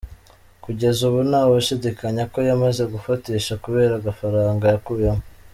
Kugeza ubu nta washidikanya ko yamaze gufatisha kubera agafaranga yakuyemo.